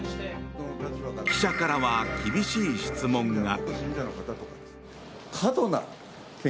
記者からは厳しい質問が。